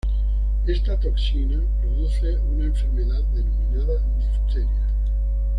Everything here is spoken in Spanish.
Esta toxina produce una enfermedad denominada difteria.